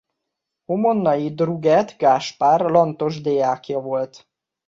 Homonnai Drugeth Gáspár lantos-deákja volt.